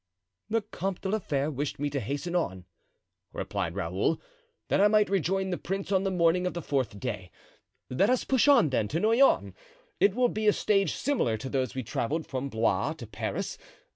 "The Comte de la Fere wished me to hasten on," replied Raoul, "that I might rejoin the prince on the morning of the fourth day; let us push on, then, to Noyon; it will be a stage similar to those we traveled from Blois to Paris.